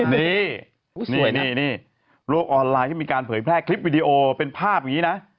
นี่โลกออนไลน์ที่มีการเผยแพร่คลิปวิดีโอเป็นภาพอย่างนี้นะ